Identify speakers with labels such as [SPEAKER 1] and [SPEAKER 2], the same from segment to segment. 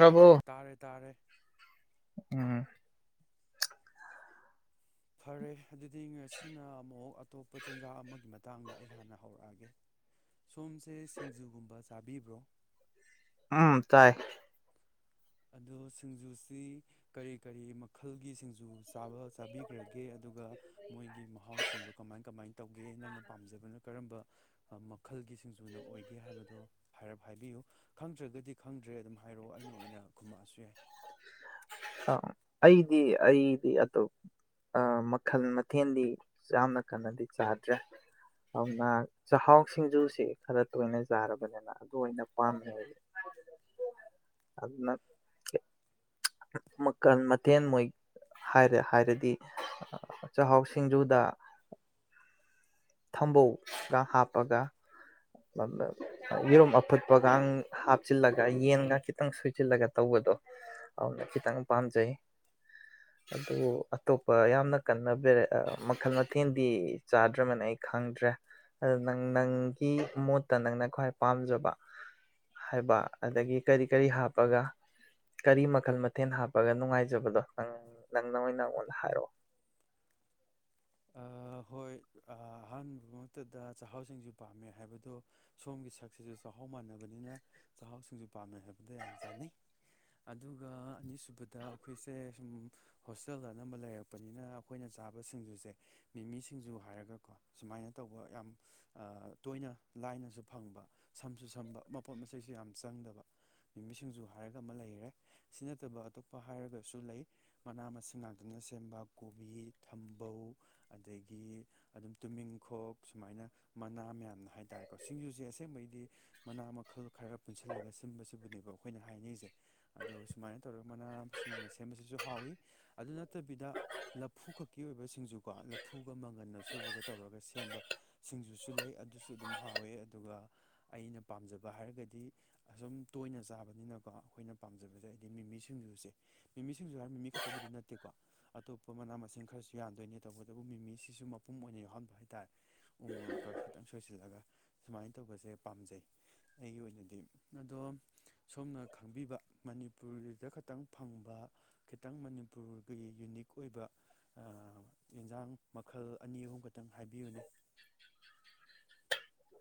[SPEAKER 1] ꯔꯕꯣ
[SPEAKER 2] ꯇꯥꯔꯦ ꯇꯥꯔꯦ
[SPEAKER 1] ꯎꯝ
[SPEAKER 2] ꯈꯔꯦ ꯑꯗꯨꯗꯤ ꯉꯁꯤꯅ ꯑꯃꯨꯛ ꯑꯇꯣꯞꯄ ꯆꯤꯟꯖꯥꯛ ꯑꯃꯒꯤ ꯃꯇꯥꯡꯗ ꯑꯩ ꯍꯥꯟꯅ ꯍꯧꯔꯛꯑꯒꯦ ꯁꯣꯝꯁꯦ ꯁꯤꯡꯖꯨꯒꯨꯝꯕ ꯆꯥꯕꯤꯕ꯭ꯔꯣ
[SPEAKER 1] ꯎꯝ ꯇꯥꯏ
[SPEAKER 2] ꯑꯗꯣ ꯁꯤꯡꯖꯨꯁꯤ ꯀꯔꯤ ꯀꯔꯤ ꯃꯈꯜꯒꯤ ꯁꯤꯡꯖꯨꯥꯕ ꯆꯥꯕꯤꯈ꯭ꯔꯒꯦ ꯑꯗꯨꯒ ꯃꯣꯏꯒꯤ ꯃꯍꯥꯎꯁꯤꯡꯗꯣ ꯀꯃꯥꯏ ꯀꯃꯥꯏꯅ ꯇꯧꯒꯦ ꯅꯪꯅ ꯄꯥꯝꯖꯕꯅ ꯀꯔꯝꯕ ꯃꯈꯜꯒꯤ ꯁꯤꯡꯖꯨꯅ ꯑꯣꯏꯒꯦ ꯍꯥꯏꯕꯗꯣꯞ ꯍꯥꯏꯕꯤꯌꯨ ꯈꯪꯗ꯭ꯔꯒꯗꯤ ꯈꯪꯗ꯭ꯔꯦ ꯑꯗꯨꯝ ꯍꯥꯏꯔꯛꯑꯣ ꯑꯩꯅ ꯑꯣꯏꯅ ꯈꯨꯝꯃꯛꯑꯁꯨ ꯌꯥꯏ
[SPEAKER 1] ꯑ ꯑꯩꯗꯤ ꯑꯩꯗꯤ ꯑꯇꯣꯞ ꯃꯈꯜ ꯃꯊꯦꯜꯗꯤ ꯌꯥꯝꯅ ꯀꯟꯅꯗꯤ ꯆꯥꯗ꯭ꯔꯦ ꯑꯗꯨꯅ ꯆꯥꯛꯍꯥꯎ ꯁꯤꯡꯖꯨꯁꯤ ꯈꯔ ꯇꯣꯏꯅ ꯆꯥꯔꯕꯅꯤꯅ ꯑꯗꯨ ꯑꯣꯏꯅ ꯄꯥꯝꯃꯦ ꯑꯗꯨꯅ ꯃꯈꯜ ꯃꯊꯦꯜ ꯃꯣꯏꯔ ꯍꯥꯏꯔꯗꯤ ꯆꯍꯥꯎ ꯁꯤꯡꯖꯨꯗ ꯊꯝꯕꯧꯒ ꯍꯥꯞꯄꯒ ꯌꯦꯔꯨꯝ ꯑꯐꯨꯠꯄꯒ ꯍꯥꯞꯆꯤꯜꯂꯒ ꯌꯦꯟꯒ ꯈꯤꯇꯪ ꯁꯣꯏꯆꯤꯜꯂꯒ ꯇꯧꯕꯗꯣ ꯑꯗꯨꯅ ꯈꯤꯇꯪ ꯄꯥꯝꯖꯩ ꯑꯗꯨ ꯑꯇꯣꯞꯄ ꯌꯥꯝꯅ ꯀꯟꯅ ꯃꯈꯜ ꯃꯊꯦꯜꯗꯤ ꯆꯥꯗ꯭ꯔꯃꯅ ꯑꯩ ꯈꯪꯗ꯭ꯔꯦ ꯑꯗꯨ ꯅꯪ ꯅꯪꯒꯤ ꯃꯣꯠꯇ ꯅꯪꯅ ꯈ꯭ꯋꯥꯏ ꯄꯥꯝꯖꯕ ꯍꯥꯏꯕ ꯑꯗꯒꯤ ꯀꯔꯤ ꯀꯔꯤ ꯍꯥꯞꯄꯒ ꯀꯔꯤ ꯃꯈꯜ ꯃꯊꯦꯜ ꯍꯥꯞꯄꯒ ꯅꯨꯡꯉꯥꯏꯖꯕꯗꯣ ꯅꯪ ꯅꯪ ꯅ ꯑꯣꯏꯅ ꯑꯩꯉꯣꯟꯗ ꯍꯥꯏꯔꯛꯑꯣ
[SPEAKER 2] ꯍꯣꯏ ꯑꯍꯥꯟꯕ ꯃꯛꯇꯗ ꯆꯥꯛꯍꯥꯎ ꯁꯤꯡꯁꯨꯨ ꯄꯥꯝꯃꯦ ꯍꯥꯏꯕꯗꯣ ꯁꯣꯝꯒꯤ ꯁꯛꯁꯤꯁꯨ ꯆꯥꯛꯍꯥꯎ ꯃꯥꯟꯅꯕꯅꯤꯅ ꯆꯥꯛꯍꯥꯎ ꯁꯤꯡꯁꯨꯨ ꯄꯥꯝꯃꯦ ꯍꯥꯏꯕꯗꯣ ꯌꯥꯝ ꯆꯥꯅꯩ ꯑꯗꯨꯒ ꯑꯅꯤꯁꯨꯕꯗ ꯑꯩꯈꯣꯏꯁꯦ ꯁꯨꯝ ꯍꯣꯁꯇꯦꯜ ꯑꯅꯝꯕ ꯂꯩꯔꯛꯄꯅꯤꯅ ꯑꯩꯈꯣꯏꯅ ꯆꯥꯕ ꯁꯤꯡꯖꯨꯁꯦ ꯃꯤꯃꯤꯁꯤꯡꯁꯨ ꯍꯥꯏꯔꯒꯀꯣ ꯁꯨꯃꯥꯏꯅ ꯇꯧꯕ ꯌꯥꯝ ꯇꯣꯏꯅ ꯂꯥꯏꯅꯁꯨ ꯐꯪꯕ ꯁꯝꯁꯨ ꯁꯝꯕ ꯃꯄꯣꯠ ꯃꯆꯩꯁꯨ ꯌꯥꯝ ꯆꯪꯗꯕ ꯅꯨꯃꯤꯁꯤꯡꯖ ꯍꯥꯏꯔꯒ ꯑꯃ ꯂꯩꯔꯦ ꯁꯤ ꯅꯠꯇꯕ ꯑꯇꯣꯞꯄ ꯍꯥꯏꯔꯒꯁꯨ ꯂꯩ ꯃꯅꯥ ꯃꯁꯤꯡ ꯉꯥꯛꯇꯅ ꯁꯦꯝꯕ ꯀꯣꯕꯤ ꯊꯝꯕꯧ ꯑꯗꯒꯤ ꯑꯗꯨꯝ ꯇꯨꯃꯤꯡꯈꯣꯛ ꯁꯨꯃꯥꯏꯅ ꯃꯅꯥ ꯃꯌꯥꯝꯅ ꯍꯥꯏꯇꯥꯥꯔꯦꯀꯣ ꯁꯤꯡꯖꯨꯁꯦ ꯑꯁꯦꯡꯕꯩꯗꯤ ꯃꯅꯥ ꯃꯈꯜ ꯈꯔ ꯄꯨꯟꯁꯤꯜꯂꯒ ꯁꯤꯕꯁꯤꯕꯨꯅꯦꯕ ꯑꯩꯈꯣꯏꯅ ꯍꯥꯏꯅꯔꯤꯁꯦ ꯑꯗꯣ ꯁꯨꯃꯥꯏꯅ ꯇꯧꯔꯒ ꯃꯅꯥ ꯃꯁꯤꯡꯅ ꯁꯦꯝꯕꯁꯤꯁꯨ ꯍꯥꯎꯏꯤ ꯑꯗꯨ ꯅꯠꯇꯕꯤꯗ ꯂꯐꯨ ꯈꯛꯀꯤ ꯑꯣꯏꯕ ꯁꯤꯡꯖꯨ ꯀꯣ ꯂꯐꯨꯒ ꯃꯪꯒꯟꯅ ꯁꯨꯕꯒ ꯇꯧꯔꯒ ꯁꯦꯝꯕ ꯁꯤꯡꯖꯨꯁꯨ ꯂꯩ ꯑꯗꯨꯁꯨ ꯑꯗꯨꯝ ꯍꯥꯎꯋꯦ ꯑꯗꯨꯒ ꯑꯩꯅ ꯄꯥꯝꯖꯕ ꯍꯥꯏꯔꯒꯗꯤ ꯑꯁꯨꯝ ꯇꯣꯏꯅ ꯆꯥꯕꯅꯤꯅꯀꯣ ꯑꯩꯈꯣꯏꯅ ꯄꯥꯝꯖꯕꯗ ꯍꯥꯏꯗꯤ ꯃꯤꯃꯤ ꯁꯤꯡꯖꯨꯁꯦ ꯁꯤꯡꯁꯨ ꯍꯥꯏꯔꯝꯃꯤ ꯃꯤ ꯈꯛꯇꯕꯨꯗꯤ ꯅꯠꯇꯦꯀꯣ ꯑꯇꯣꯞꯄ ꯃꯅꯥ ꯃꯁꯤꯡ ꯈꯔꯁꯨ ꯌꯥꯟꯗꯣꯏꯅꯤ ꯇꯧꯕꯇꯕꯨ ꯃꯤꯃꯤꯁꯤꯁꯨ ꯃꯄꯨꯝ ꯑꯣꯏꯅ ꯌꯥꯎꯍꯟꯕ ꯍꯥꯏꯇꯥꯔꯦ ꯎꯃꯣꯔꯀ ꯁꯨ ꯁꯣꯏꯁ ꯒꯥ ꯁꯨꯃꯥꯏꯅ ꯇꯧꯕꯁꯦ ꯄꯥꯝꯖꯩ ꯑꯩꯒꯤ ꯑꯣꯏꯅꯗꯤ ꯑꯗꯣ ꯁꯣꯝꯅ ꯈꯪꯕꯤꯕ ꯃꯅꯤ ꯃꯅꯤꯄꯨꯔꯒꯤꯗ ꯈꯛꯇꯪ ꯐꯪꯕ ꯈꯤꯇꯪ ꯃꯅꯤꯄꯨꯔꯒꯤ ꯌꯨꯅꯤꯛ ꯑꯣꯏꯕ ꯌꯦꯟꯁꯥꯡ ꯃꯈꯜ ꯑꯅꯤ ꯑꯍꯨꯝ ꯈ ꯈꯤꯇꯪ ꯍꯥꯏꯕꯤꯌꯨꯅꯦ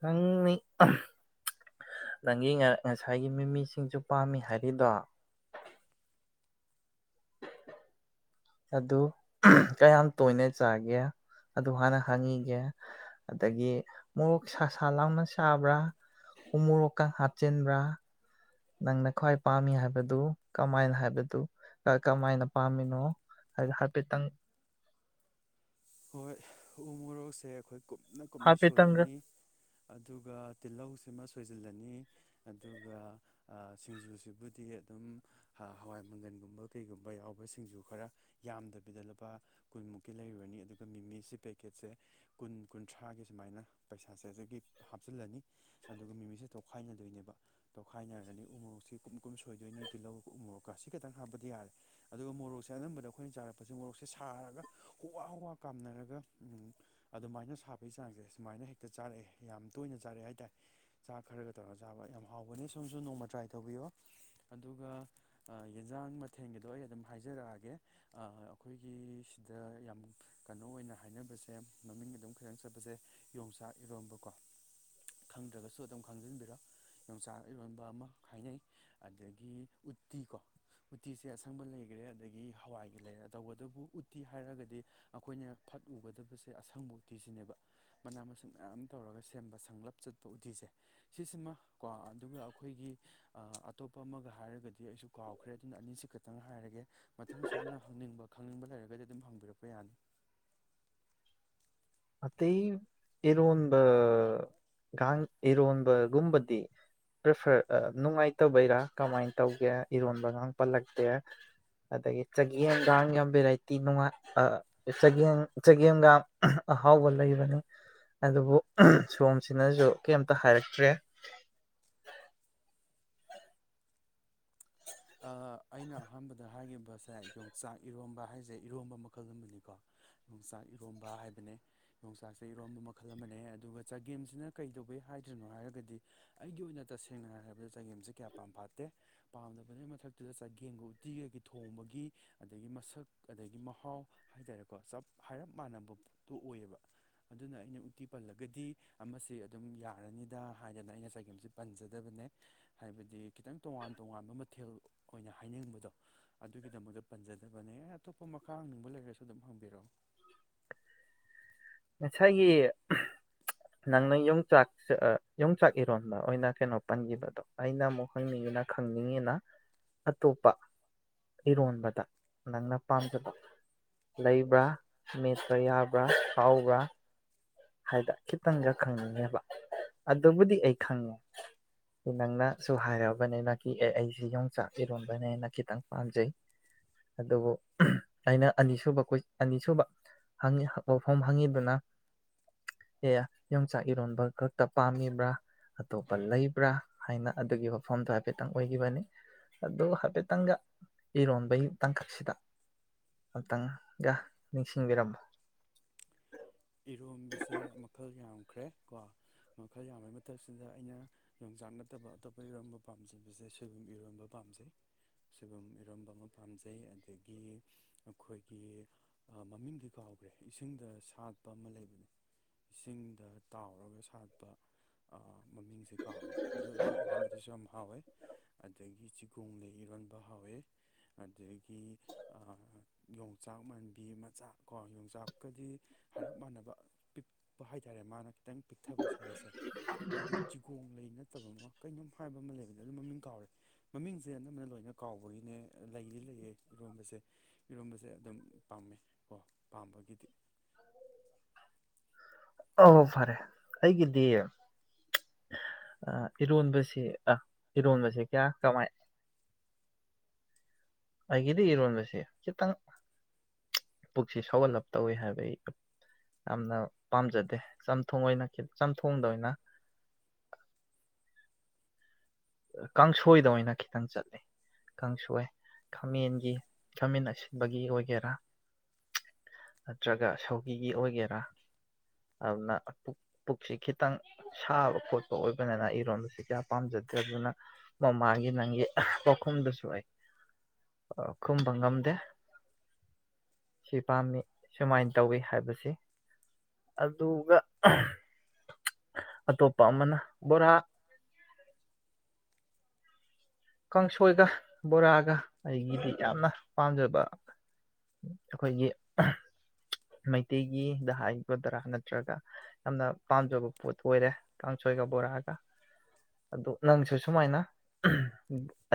[SPEAKER 1] ꯅꯪ ꯅꯪꯒꯤ ꯉꯁꯥꯏꯒꯤ ꯃꯤꯃꯤꯁꯤꯡꯁꯨ ꯄꯥꯝꯃꯤ ꯍꯥꯏꯔꯤꯗꯣ ꯑꯗꯨ ꯀꯌꯥꯝ ꯇꯣꯏꯅ ꯆꯥꯒꯦ ꯑꯗꯨ ꯍꯥꯟꯅ ꯍꯪꯉꯤꯒꯦ ꯑꯗꯒꯤ ꯃꯣꯔꯣꯛ ꯁꯥꯁꯥ ꯂꯥꯎꯅ ꯁꯥꯕ꯭ꯔꯥ ꯍ ꯃꯣꯔꯣꯛꯀ ꯍꯥꯞꯆꯤꯟꯕ꯭ꯔꯥ ꯅꯪꯅ ꯈ꯭ꯋꯥꯏ ꯄꯥꯝꯃꯤ ꯍꯥꯏꯕꯗꯨ ꯀꯃꯥꯏꯅ ꯍꯥꯏꯕꯗꯨ ꯀꯃꯥꯏꯅ ꯄꯥꯝꯃꯤꯅꯣ ꯍꯥꯏ ꯍꯥꯏꯐꯦꯠꯇꯪ
[SPEAKER 2] ꯍꯣꯏ ꯎꯃꯣꯔꯣꯛꯁꯦ ꯑꯩꯈꯣꯏ ꯀꯨꯞꯅ ꯀꯨꯞꯅ
[SPEAKER 1] ꯍꯥꯏꯐꯦꯠꯇꯪꯒ
[SPEAKER 2] ꯁꯣꯏꯔꯅꯤ ꯑꯗꯨꯒ ꯇꯤꯜꯍꯧꯁꯤꯃ ꯁꯣꯏꯖꯤꯜꯂꯅꯤ ꯑꯗꯨꯒ ꯁꯤꯡꯖꯨꯁꯤꯕꯨꯗꯤ ꯑꯗꯨꯝ ꯍꯋꯥꯏ ꯃꯪꯒꯟꯒꯨꯝꯕ ꯀꯩꯒꯨꯝꯕ ꯌꯥꯎꯕ ꯁꯤꯡꯖꯨ ꯈꯔ ꯌꯥꯝꯗꯕꯤꯗ ꯂꯨꯄꯥ ꯀꯨꯟꯃꯨꯛꯀꯤ ꯂꯩꯔꯨꯔꯅꯤ ꯑꯗꯨꯒ ꯃꯤꯃꯤꯁꯤ ꯄꯦꯀꯦꯠꯁꯦ ꯀꯨꯟ ꯀꯨꯟꯊ꯭ꯔꯥꯒꯤ ꯁꯨꯃꯥꯏꯅ ꯄꯩꯁꯥꯥꯁꯦꯗꯒꯤ ꯍꯥꯞꯆꯤꯜꯂꯅꯤ ꯑꯗꯨꯒ ꯃꯤꯃꯤꯁꯦ ꯇꯣꯈꯥꯏꯅꯗꯣꯏꯅꯦꯕ ꯇꯣꯈꯥꯏꯅꯔꯒꯅꯤ ꯎꯃꯣꯔꯣꯛꯁꯦ ꯀꯨꯝ ꯀꯨꯝ ꯁꯣꯏꯗꯣꯏꯅꯤ ꯇꯤꯜꯍꯧꯒ ꯎꯃꯣꯔꯣꯛꯀ ꯁꯤ ꯈꯇꯪ ꯍꯥꯞꯄꯗꯤ ꯌꯥꯔꯦ ꯑꯗꯨꯒ ꯃꯣꯔꯣꯛꯁꯦ ꯑꯅꯝꯕꯗ ꯑꯩꯈꯣꯏꯅ ꯆꯥꯔꯛꯄꯁ ꯃꯣꯔꯣꯛꯁꯦ ꯁꯥꯔꯒ ꯍꯨꯋꯥ ꯍꯨꯋꯥ ꯀꯥꯝꯅꯔꯒ ꯑꯗꯨꯃꯥꯏꯅ ꯁꯥꯕꯒꯤ ꯆꯥꯡꯁꯦ ꯁꯨꯃꯥꯏꯅ ꯍꯦꯛꯇ ꯆꯥꯔꯛꯑꯦ ꯌꯥꯝ ꯇꯣꯏꯅ ꯆꯥꯔꯛꯑꯦ ꯍꯥꯏꯇꯥꯔꯦ ꯆꯥ ꯈꯔꯒ ꯇꯧꯔꯒ ꯆꯥꯕ ꯌꯥꯝ ꯍꯥꯎꯕꯅꯦ ꯁꯣꯝꯁꯨ ꯅꯣꯡꯃ ꯇ꯭ꯔꯥꯏ ꯇꯧꯕꯤꯌꯣ ꯑꯗꯨꯒ ꯌꯦꯟꯁꯥꯡ ꯃꯊꯦꯜꯒꯤꯗꯣ ꯑꯩ ꯑꯗꯨꯝ ꯍꯥꯏꯖꯔꯛꯑꯒꯦ ꯑꯩꯈꯣꯏꯒꯤ ꯁꯤꯗ ꯌꯥꯝ ꯀꯩꯅꯣ ꯑꯣꯏꯅ ꯍꯥꯏꯅꯕꯁꯦ ꯃꯃꯤꯡꯒꯤ ꯑꯗꯨꯝ ꯈꯤꯇꯪ ꯆꯠꯄꯁꯦ ꯌꯣꯡꯆꯥꯛ ꯏꯔꯣꯟꯝꯕꯀꯣ ꯈꯪꯗ꯭ꯔꯒꯁꯨ ꯑꯗꯨꯝ ꯈꯪꯖꯤꯟꯕꯤꯔꯣ ꯌꯣꯡꯆꯥꯛ ꯏꯔꯣꯟꯕ ꯑꯃ ꯍꯥꯏꯅꯩ ꯑꯗꯒꯤ ꯎꯠꯇꯤ ꯀꯣ ꯎꯠꯇꯤꯁꯦ ꯑꯁꯪꯕ ꯂꯩꯈꯔꯦ ꯑꯗꯒꯤ ꯍꯋꯥꯏꯒꯤ ꯂꯩꯔꯦ ꯇꯧꯕꯇꯕꯨ ꯎꯠꯇꯤ ꯍꯥꯏꯔꯒꯗꯤ ꯑꯩꯈꯣꯏꯅ ꯐꯠ ꯎꯒꯗꯕꯁꯦ ꯑꯁꯪꯕ ꯎꯇꯤꯁꯤꯅꯦꯕ ꯃꯅꯥ ꯃꯁꯤꯡ ꯃꯌꯥꯝ ꯇꯧꯔꯒ ꯁꯦꯝꯕ ꯁꯪꯂꯞ ꯆꯠꯄ ꯎꯇꯤꯁꯦ ꯁꯤꯁꯤꯃ ꯀꯣ ꯑꯗꯨꯒ ꯑꯩꯈꯣꯏꯒꯤ ꯑꯇꯣꯞꯄ ꯑꯃꯒ ꯍꯥꯏꯔꯒꯗꯤ ꯑꯩꯁꯨ ꯀꯥꯎꯈ꯭ꯔꯦ ꯑꯗꯨꯅ ꯑꯅꯤꯁꯤ ꯈꯤꯇꯪ ꯍꯥꯏꯔꯒꯦ ꯃꯊꯪ ꯁꯣꯝꯅ ꯍꯪꯅꯤꯡꯕ ꯈꯪꯅꯤꯡꯕ ꯂꯩꯔꯒꯗꯤ ꯑꯗꯨꯝ ꯍꯪꯕꯤꯔꯛꯄ ꯌꯥꯅꯤ
[SPEAKER 1] ꯑꯇꯩ ꯏꯔꯣꯟꯕꯒꯥꯡ ꯏꯔꯣꯟꯕꯒꯨꯝꯕꯗꯤ ꯄ꯭ꯔꯤꯐꯔ ꯅꯨꯡꯉꯥꯏꯇꯕꯩꯔꯥ ꯀꯃꯥꯏꯅ ꯇꯧꯒꯦ ꯏꯔꯣꯟꯕꯒ ꯄꯜꯂꯛꯇꯦ ꯑꯗꯒꯤ ꯆꯒꯦꯝꯒ ꯌꯥꯝ ꯚꯦꯔꯥꯏꯇꯤꯉꯥꯏ ꯆꯒꯦꯝ ꯆꯒꯦꯝꯒ ꯑꯍꯥꯎꯕ ꯂꯩꯕꯅꯤ ꯑꯗꯨꯕꯨ ꯁꯣꯝꯁꯤꯅꯁꯨ ꯀꯩꯝꯇ ꯍꯥꯏꯔꯛꯇ꯭ꯔꯦ
[SPEAKER 2] ꯑ ꯑꯩꯅ ꯑꯍꯥꯟꯕꯗ ꯍꯥꯏꯈꯤꯕ ꯁꯦ ꯌꯣꯡꯆꯥꯛ ꯏꯔꯣꯝꯕ ꯍꯥꯏꯁꯦ ꯏꯔꯣꯝꯕ ꯃꯈꯜ ꯑꯃꯅꯤꯀꯣ ꯌꯣꯡꯆꯥꯛ ꯏꯔꯣꯝꯕ ꯍꯥꯏꯕꯅꯦ ꯌꯣꯡꯆꯥꯛꯁꯦ ꯏꯔꯣꯝꯕ ꯃꯈꯜ ꯑꯃꯅꯦ ꯑꯗꯨꯒ ꯆꯒꯦꯝꯁꯤꯅ ꯀꯩꯗꯧꯕꯦ ꯍꯥꯏꯗ꯭ꯔꯤꯅꯣ ꯍꯥꯏꯔꯒꯗꯤ ꯑꯩꯒꯤ ꯑꯣꯏꯅ ꯇꯁꯦꯡꯅ ꯍꯥꯏꯔꯕꯗ ꯆꯒꯦꯝꯁꯦ ꯀꯌꯥ ꯄꯥꯝ ꯐꯥꯠꯇꯦ ꯄꯥꯝꯗ ꯑꯗꯨ ꯑꯗꯨꯒꯤ ꯃꯊꯛꯇꯨꯗ ꯆꯒꯦꯝꯒ ꯎꯇꯤꯒꯒꯤ ꯊꯣꯡꯕꯒꯤ ꯑꯗꯒꯤ ꯃꯁꯛ ꯑꯗꯒꯤ ꯃꯍꯥꯎ ꯍꯥꯏꯇꯥꯔꯦꯀꯣ ꯆꯞ ꯍꯥꯏꯔꯞ ꯃꯥꯟꯅꯕ ꯄꯣꯠꯇꯣ ꯑꯣꯏꯌꯦꯕ ꯑꯗꯨꯅ ꯑꯩꯅ ꯎꯇꯤ ꯄꯜꯂꯒꯗꯤ ꯑꯃꯁ ꯑꯗꯨꯝ ꯌꯥꯔꯅꯤꯗ ꯍꯥꯏꯗꯅ ꯑꯩꯅ ꯆꯒꯦꯝꯁꯦ ꯄꯟꯖꯗꯕꯅꯦ ꯍꯥꯏꯕꯗꯤ ꯈꯤꯇꯪ ꯇꯣꯉꯥꯟ ꯇꯣꯉꯥꯟꯕ ꯀꯊꯦꯜ ꯑꯣꯏꯅ ꯍꯥꯏꯅꯤꯡꯕꯗꯣ ꯑꯗꯨꯒꯤꯗꯃꯛꯇ ꯄꯟꯖꯗꯕꯅꯦ ꯑꯇꯣꯞꯄ ꯃꯈꯥ ꯍꯪꯅꯤꯡꯕ ꯂꯩꯔꯁꯨ ꯑꯗꯨꯝ ꯍꯪꯕꯤꯔꯛꯑꯣ
[SPEAKER 1] ꯉꯁꯥꯏꯒꯤ ꯅꯪꯅ ꯌꯣꯡꯆꯥꯛ ꯌꯣꯡꯆꯥꯛ ꯏꯔꯣꯟꯕ ꯑꯣꯏꯅ ꯀꯩꯅꯣ ꯄꯟꯈꯤꯕꯗꯣ ꯑꯩꯅ ꯑꯃꯨꯛ ꯍꯪꯅꯤꯡꯉꯤꯅ ꯈꯪꯅꯤꯡꯉꯤꯅ ꯑꯇꯣꯞꯄ ꯏꯔꯣꯟꯕꯗ ꯅꯪꯅ ꯄꯥꯝꯖꯕ ꯂꯩꯕ꯭ꯔꯥ ꯃꯦꯠꯄ ꯌꯥꯕ꯭ꯔꯥ ꯍꯥꯎꯒ ꯍꯥꯏꯗ ꯈꯤꯇꯪꯒ ꯈꯪꯅꯤꯡꯉꯦꯕ ꯑꯗꯨꯕꯨꯗꯤ ꯑꯩ ꯈꯪꯉꯦ ꯅꯪꯅꯁꯨ ꯍꯥꯏꯑꯔꯕꯅꯤꯅ ꯑꯦ ꯑꯩꯁꯤꯦ ꯌꯣꯡꯆꯥꯛ ꯏꯔꯣꯟꯝꯕꯅꯦꯅ ꯈꯤꯇꯪ ꯄꯥꯝꯖꯩ ꯑꯗꯨꯕꯨ ꯑꯩꯅ ꯑꯅꯤꯁꯨꯕ ꯑꯅꯤꯁꯨꯕ ꯋꯥꯐꯝ ꯍꯪꯉꯤꯗꯨꯅ ꯑꯦ ꯌꯣꯡꯆꯥꯛ ꯏꯔꯣꯟꯕ ꯈꯛꯇ ꯄꯥꯝꯃꯤꯕ꯭ꯔꯥ ꯑꯇꯣꯞꯄ ꯂꯩꯕ꯭ꯔꯥ ꯍꯥꯏꯅ ꯑꯗꯨꯒꯤ ꯋꯥꯐꯝꯗꯣ ꯍꯥꯏꯐꯦꯠꯇꯪ ꯑꯣꯏꯈꯤꯕꯅꯤ ꯑꯗꯨ ꯍꯥꯏꯐꯦꯠꯇꯪꯒ ꯏꯔꯣꯟꯕꯒꯤ ꯇꯥꯡꯀꯛꯁꯤꯗ ꯑꯝꯇꯪꯒ ꯅꯤꯡꯁꯤꯡꯕꯤꯔꯝꯃꯣ
[SPEAKER 2] ꯏꯔꯣꯝꯕꯁꯦ ꯃꯈꯜ ꯌꯥꯝ ꯀꯈ꯭ꯔꯦ ꯀꯣ ꯃꯈꯜ ꯌꯥꯝꯕꯩ ꯃꯇꯝꯛꯁꯤꯗ ꯑꯩꯅ ꯌꯣꯡꯆꯥꯛ ꯅꯠꯇꯕ ꯑꯇꯣꯞꯄ ꯏꯔꯣꯟꯝꯕ ꯄꯥꯝꯖꯕꯁꯦ ꯁꯣꯏꯕꯨꯝ ꯏꯔꯣꯟꯝꯕ ꯄꯥꯝꯖꯩ ꯁꯣꯏꯕꯨꯝ ꯏꯔꯣꯝꯕ ꯑꯃ ꯄꯥꯝꯖꯩ ꯑꯗꯒꯤ ꯑꯩꯈꯣꯏꯒꯤ ꯃꯃꯤꯡꯗꯤ ꯀꯥꯎꯈ꯭ꯔꯦ ꯏꯁꯤꯡꯗ ꯁꯥꯠ ꯑ ꯑꯃ ꯂꯩꯕꯅꯦ ꯏꯁꯤꯡꯗ ꯇꯥꯎꯔꯒ ꯁꯥꯠꯄ ꯃꯃꯤꯡꯁꯦ ꯀꯥꯎꯈꯔꯦ ꯑꯗꯨ ꯑꯗꯨꯕ ꯑꯗꯨꯁꯨ ꯌꯥꯝ ꯍꯥꯎꯋꯦ ꯑꯗꯒꯤ ꯆꯤꯒꯣꯡ ꯂꯩ ꯏꯔꯣꯟꯕ ꯍꯥꯎꯋꯦ ꯑꯗꯒꯤ ꯌꯣꯡꯆꯥꯛ ꯃꯥꯟꯕꯤ ꯃꯆꯥ ꯀꯣ ꯌꯣꯡꯆꯥꯛꯀꯗꯤ ꯍꯥꯏꯔꯞ ꯃꯥꯟꯅꯕ ꯄꯤꯛꯄ ꯍꯥꯏꯇꯥꯔꯦ ꯃꯥꯅ ꯈꯤꯇꯪ ꯄꯤꯛꯊꯕ ꯁ ꯍꯥꯏꯁꯦ ꯑꯗ ꯆꯤꯒꯣꯡ ꯂꯩ ꯅꯠꯇꯕ ꯑꯃ ꯀꯩꯅꯣꯝ ꯍꯥꯏꯕ ꯑꯃ ꯂꯩꯕꯅꯦ ꯑꯗꯨ ꯃꯃꯤꯡ ꯀꯥꯎꯔꯦ ꯃꯃꯤꯡꯁꯦ ꯑꯅꯝꯕꯅ ꯂꯣꯏꯅ ꯀꯥꯎꯕꯒꯤꯅꯦ ꯂꯩꯔꯤ ꯂꯩꯌꯦ ꯏꯔꯣꯝꯕꯁꯦ ꯏꯔꯣꯝꯕꯁꯦ ꯑꯗꯨꯝ ꯄꯥꯝꯃꯦ ꯀꯣ ꯄꯥꯝꯕꯒꯤꯗꯤ
[SPEAKER 1] ꯑ ꯐꯔꯦ ꯑꯩꯒꯤꯗꯤ ꯏꯔꯣꯟꯕꯁꯤ ꯑꯥ ꯏꯔꯣꯟꯕꯁꯤ ꯀꯌꯥ ꯀꯃꯥꯏ ꯑꯩꯒꯤꯗꯤ ꯏꯔꯣꯟꯕꯁꯤ ꯈꯤꯇꯪ ꯄꯨꯛꯁꯤ ꯁꯧꯒꯠꯂꯞ ꯇꯧꯏꯤ ꯍꯥꯏꯕ ꯑꯩ ꯌꯥꯝꯅ ꯄꯥꯝꯖꯗꯦ ꯆꯝꯊꯣꯡ ꯑꯣꯏꯅ ꯆꯝꯊꯣꯡꯗ ꯑꯣꯏꯅ ꯀꯥꯡꯁꯣꯏꯗ ꯑꯣꯏꯅ ꯈꯤꯇꯪ ꯆꯠꯂꯤ ꯀꯥꯡꯁꯣꯏ ꯈꯥꯃꯦꯟꯒꯤ ꯈꯥꯃꯦꯟ ꯑꯁꯤ ꯑꯁꯤꯟꯕꯒꯤ ꯑꯣꯏꯒꯦꯔꯥ ꯅꯠꯇ꯭ꯔꯒ ꯁꯧꯒꯤꯒꯤ ꯑꯣꯏꯒꯦꯔꯥ ꯑꯗꯨꯅ ꯄꯨꯛꯁꯤ ꯈꯤꯇꯪ ꯁꯥꯕ ꯈꯣꯠꯄ ꯑꯣꯏꯕꯅꯤꯅ ꯏꯔꯣꯟꯝꯕꯁꯤ ꯀꯌꯥ ꯄꯥꯝꯖꯗꯦ ꯅꯠꯇ꯭ꯔꯗꯨꯅ ꯃꯃꯥꯒꯤ ꯅꯪꯒꯤ ꯄꯥꯎꯈꯨꯝꯗꯁꯨ ꯑꯩ ꯈꯨꯝꯕ ꯉꯝꯗꯦ ꯁꯤ ꯄꯥꯝꯃꯤ ꯁꯨꯃꯥꯏꯅ ꯇꯧꯋꯤ ꯍꯥꯏꯕꯁꯤ ꯑꯗꯨꯒ ꯑꯇꯣꯞꯄ ꯑꯃꯅ ꯕꯣꯔꯥ ꯀꯥꯡꯁꯣꯏꯒ ꯕꯣꯔꯥꯒ ꯑꯩꯒꯤꯗꯤ ꯌꯥꯝꯅ ꯄꯥꯝꯖꯕ ꯑꯩꯈꯣꯏꯒꯤ ꯃꯩꯇꯩꯒꯤꯗ ꯍꯥꯏꯒꯗꯔꯥ ꯅꯠꯇ꯭ꯔꯒ ꯌꯥꯝꯅ ꯄꯥꯝꯖꯕ ꯄꯣꯠ ꯑꯣꯏꯔꯦ ꯀꯥꯡꯁꯣꯏꯒ ꯕꯣꯔꯥꯒ ꯑꯗꯨ ꯅꯪꯁꯨ ꯁꯨꯃꯥꯏꯅ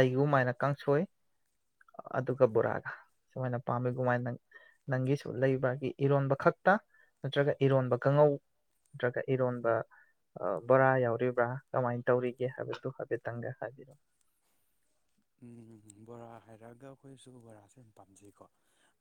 [SPEAKER 1] ꯑꯩꯒꯨꯝꯃꯥꯏꯅ ꯀꯥꯡꯁꯣꯏ ꯑꯗꯨꯒ ꯕꯣꯔꯥꯒ ꯁꯨꯃꯥꯏꯅ ꯄꯥꯝꯃꯤꯒꯨꯝꯃꯥꯏꯅ ꯅ ꯅꯪꯒꯤꯁꯨ ꯂꯩꯕ꯭ꯔꯥꯒꯤ ꯏꯔꯣꯟꯕ ꯈꯛꯇ ꯅꯠꯇ꯭ꯔꯒ ꯏꯔꯣꯟꯕ ꯀꯥꯡꯉꯧ ꯅꯠꯇ꯭ꯔꯒ ꯏꯔꯣꯟꯕ ꯕꯣꯔꯥ ꯌꯥꯎꯔꯤꯕ꯭ꯔꯥ ꯀꯃꯥꯏꯅ ꯇꯧꯔꯤꯒꯦ ꯍꯥꯏꯕꯗꯨ ꯍꯥꯏꯐꯦꯠꯇꯪꯒ ꯍꯥꯏꯕꯤꯔꯛ
[SPEAKER 2] ꯕꯣꯔꯥ ꯍꯥꯏꯔꯛꯑꯒ ꯑꯩꯈꯣꯏꯁꯨ ꯕꯣꯔꯥꯁꯦ ꯌꯥꯝ ꯄꯥꯝꯖꯩꯀꯣ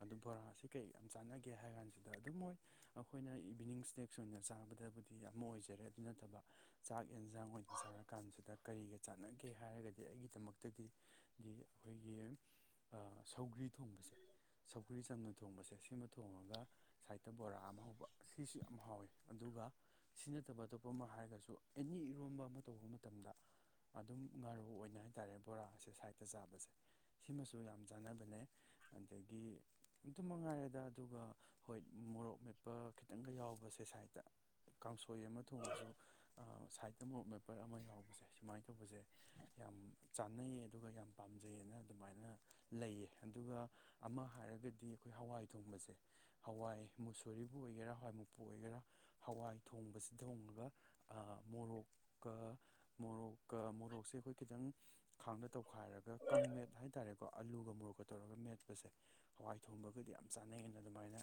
[SPEAKER 2] ꯑꯗꯨ ꯕꯣꯔꯥꯁ ꯀꯩ ꯌꯥꯝ ꯆꯥꯟꯅꯒꯦ ꯍꯥꯏ ꯀꯥꯟꯁꯤꯗ ꯑꯗꯨꯝ ꯃꯣꯏ ꯑꯩꯈꯣꯏꯅ ꯏꯚꯤꯅꯤꯡ ꯏꯁꯅꯦꯛꯁ ꯑꯣꯏꯅ ꯆꯥꯕꯗꯕꯨꯗꯤ ꯌꯥꯝ ꯑꯣꯏꯖꯔꯦ ꯑꯗꯨ ꯅꯠꯇꯕ ꯆꯥꯛ ꯌꯦꯟꯁꯥꯡ ꯑꯣꯏꯅ ꯆꯥꯔ ꯀꯥꯟꯁꯤꯗ ꯀꯔꯤꯒ ꯆꯥꯟꯅꯒꯦ ꯍꯥꯏꯔꯒꯗꯤ ꯑꯩꯒꯤꯗꯃꯛꯇꯗꯤ ꯗꯤ ꯑꯩꯈꯣꯏꯒꯤ ꯁꯧꯒ꯭ꯔꯤ ꯊꯣꯡꯕꯁꯦ ꯁꯧꯒ꯭ꯔꯤ ꯆꯪꯅ ꯊꯣꯡꯕꯁꯦ ꯁꯤꯃ ꯊꯣꯡꯉꯒ ꯁꯥꯏꯠꯇ ꯕꯣꯔꯥ ꯑꯃ ꯍꯧꯕ ꯁꯤꯁꯨ ꯌꯥꯝ ꯍꯥꯎꯋꯤ ꯑꯗꯨꯒ ꯁꯤ ꯅꯠꯇꯕ ꯑꯇꯣꯞꯄ ꯑꯃ ꯍꯥꯏꯔꯒꯁꯨ ꯑꯦꯅꯤ ꯏꯔꯣꯟꯝꯕ ꯑꯃ ꯇꯧꯕ ꯃꯇꯝꯗ ꯑꯗꯨꯝ ꯉꯥꯏꯔꯨꯔꯕ ꯑꯣꯏꯅ ꯍꯥꯏ ꯇꯥꯔꯦ ꯕꯣꯔꯦ ꯁ ꯁꯥꯏꯠꯇ ꯆꯥꯕꯁꯦ ꯁꯤꯃꯁꯨ ꯌꯥꯝ ꯆꯥꯟꯅꯕꯅꯦ ꯑꯗꯒꯤ ꯑꯗꯨꯝ ꯃꯉꯥꯏꯔꯦꯗ ꯑꯗꯨꯒ ꯍꯣꯏ ꯃꯣꯔꯣꯛ ꯃꯦꯞꯄ ꯈꯤꯇꯪꯒ ꯌꯥꯎꯕꯁꯦ ꯁꯥꯏꯠꯇ ꯀꯥꯡꯁꯣꯏ ꯑꯃ ꯊꯣꯡꯉꯁꯨ ꯁꯥꯏꯠꯇ ꯃꯣꯔꯣꯛ ꯃꯦꯞꯄ ꯑꯃ ꯌꯥꯎꯕꯁꯦ ꯁꯨꯃꯥꯏꯅ ꯇꯧꯕꯁꯦ ꯌꯥꯝ ꯆꯥꯟꯅꯩꯌꯦ ꯑꯗꯨꯒ ꯌꯥꯝ ꯄꯥꯝꯖꯩꯑꯅ ꯑꯗꯨꯃꯥꯏꯅ ꯂꯩꯌꯦ ꯑꯗꯨꯒ ꯑꯃ ꯍꯥꯏꯔꯒꯗꯤ ꯑꯩꯈꯣꯏ ꯍꯋꯥꯏ ꯊꯣꯡꯕꯁꯦ ꯍꯋꯥꯏ ꯃꯨꯁꯣꯔꯤꯕꯨ ꯑꯣꯏꯒꯦꯔꯥ ꯍꯋꯥꯏ ꯃꯨꯛꯄꯨ ꯑꯣꯏꯒꯦꯔꯥ ꯍꯋꯥꯏ ꯊꯣꯡꯕꯁꯤ ꯊꯣꯡꯉꯒ ꯃꯣꯔꯣꯛꯀ ꯃꯣꯔꯣꯛꯀ ꯃꯣꯔꯣꯛꯁꯦ ꯑꯩꯈꯣꯏ ꯈꯤꯇꯪ ꯈꯥꯡꯗ ꯇꯧꯈꯥꯏꯔꯒ ꯀꯥꯡꯪ ꯃꯦꯠ ꯍꯥꯏꯇꯥꯔꯦꯀꯣ ꯑꯂꯨꯒ ꯃꯣꯔꯣꯛꯀ ꯇꯧꯔꯒ ꯃꯦꯠꯄꯁꯦ ꯍꯋꯥꯏ ꯊꯣꯡꯕꯒꯗꯤ ꯌꯥꯝ ꯆꯥꯅꯩꯑꯅ ꯑꯗꯨꯃꯥꯏꯅ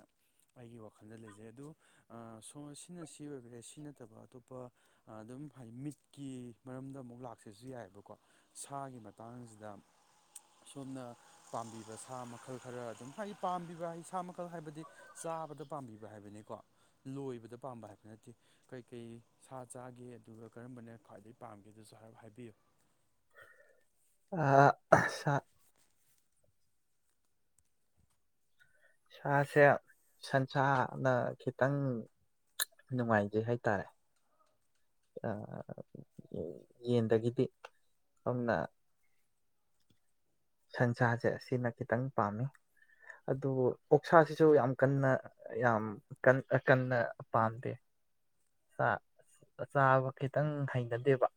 [SPEAKER 2] ꯑꯩꯒꯤ ꯋꯥꯈꯜꯗ ꯂꯩꯖꯩ ꯑꯗꯣ ꯁꯣ ꯁꯤꯅ ꯁꯤ ꯑꯣꯏꯈꯔꯦ ꯁꯤ ꯅꯠꯇꯕ ꯑꯇꯣꯞꯄ ꯑꯗꯨꯝ ꯍꯥꯏꯗꯤ ꯃꯤꯠꯀꯤ ꯃꯔꯝꯗ ꯑꯃꯨꯛ ꯂꯥꯛꯆꯁꯨ ꯌꯥꯏꯑꯕꯀꯣ ꯁꯥꯒꯤ ꯃꯇꯥꯡꯁꯤꯗ ꯁꯣꯝꯅ ꯄꯥꯝꯕꯤꯕ ꯁꯥ ꯃꯈꯜ ꯈꯔ ꯑꯗꯨꯝ ꯍꯥꯏꯗꯤ ꯄꯥꯝꯕꯤꯕ ꯍꯥꯏꯗꯤ ꯁꯥ ꯃꯈꯜ ꯍꯥꯏꯕꯗꯤ ꯆꯥꯕꯗ ꯄꯥꯝꯕꯤꯕ ꯍꯥꯏꯕꯅꯤꯀꯣ ꯂꯣꯏꯕꯗ ꯄꯥꯝꯕ ꯍꯥꯏꯕ ꯅꯠꯇꯦ ꯀꯩꯀꯩ ꯁꯥ ꯆꯥꯒꯦ ꯑꯗꯨꯒ ꯀꯔꯝꯕꯅ ꯈ꯭ꯋꯥꯏꯗꯒꯤꯩ ꯄꯥꯝꯒꯦ ꯑꯗꯨꯁꯨ ꯍꯥꯏꯔꯞ ꯍꯥꯏꯕꯤꯌꯨ
[SPEAKER 1] ꯑ ꯁꯥ ꯁꯥꯁꯦ ꯁꯟꯁꯥꯅ ꯈꯤꯇꯪ ꯅꯨꯡꯉꯥꯏꯖꯩ ꯍꯥꯏꯇꯥꯔꯦ ꯌꯦꯟꯗꯒꯤꯗꯤ ꯁꯣꯝꯅ ꯁꯟꯁꯥꯁꯦ ꯁꯤꯅ ꯈꯤꯇꯪ ꯄꯥꯝꯃꯤ ꯑꯗꯨꯕꯨ ꯑꯣꯛꯁꯥꯁꯤꯁꯨ ꯌꯥꯝ ꯀꯟꯅ ꯌꯥꯝ ꯀꯟꯅ ꯄꯥꯝꯗꯦ ꯆꯥꯕ ꯈꯤꯇꯪ ꯍꯩꯅꯗꯦꯕ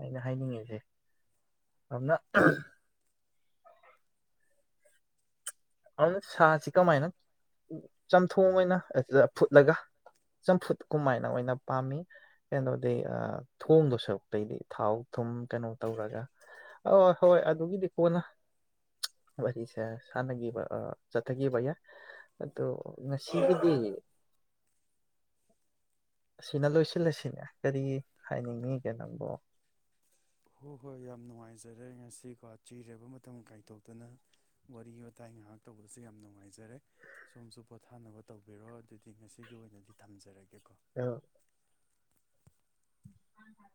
[SPEAKER 1] ꯑꯩꯅ ꯍꯥꯏꯅꯤꯡꯉꯤꯁꯦ ꯑꯗꯨꯅ ꯑꯗꯨꯅ ꯁꯥꯁꯤ ꯀꯃꯥꯏꯅ ꯆꯝꯊꯣꯡ ꯑꯣꯏꯅ ꯐꯨꯠꯂꯒ ꯆꯝꯐꯨꯠ ꯀꯃꯥꯏꯅ ꯑꯣꯏꯅ ꯄꯥꯝꯃꯤ ꯀꯩꯅꯣꯗꯤꯩ ꯊꯣꯡꯗꯣ ꯁꯔꯨꯛꯛꯇꯩꯗꯤ ꯊꯥꯎ ꯊꯨꯝ ꯀꯩꯅꯣ ꯇꯧꯔꯒ ꯑ ꯍꯣꯏ ꯑꯗꯨꯒꯤꯗꯤ ꯀꯣꯟꯅ ꯋꯥꯔꯤꯁꯦ ꯁꯥꯟꯅꯈꯤꯕ ꯆꯠꯊꯈꯤꯕ ꯌꯥꯏ ꯑꯗꯣ ꯉꯁꯤꯒꯤꯗꯤ ꯑꯁꯤꯅ ꯂꯣꯏꯁꯤꯜꯂꯁꯤꯅꯦ ꯀꯔꯤ ꯍꯥꯏꯅꯤꯡꯉꯒꯦ ꯅꯪꯕꯨꯣ
[SPEAKER 2] ꯍꯣꯏ ꯍꯣꯏ ꯌꯥꯝ ꯅꯨꯡꯉꯥꯏꯖꯔꯦ ꯉꯁꯤꯀꯣ ꯆꯤꯔꯕ ꯃꯇꯝ ꯀꯥꯏꯊꯣꯛꯇꯅ ꯋꯥꯔꯤ ꯋꯥꯇꯥꯏ ꯉꯥꯏꯍꯥꯛ ꯇꯧꯕꯁ ꯌꯥꯝ ꯅꯨꯡꯉꯥꯏꯖꯔꯦ ꯁꯣꯝꯁꯨ ꯄꯣꯊꯥꯅꯕ ꯇꯧꯕꯤꯔꯣ ꯑꯗꯨꯗꯤ ꯉꯁꯤꯒꯤ ꯑꯣꯏꯅꯗꯤ ꯊꯝꯖꯔꯒꯦꯀꯣ
[SPEAKER 1] ꯑ ꯎ ꯍ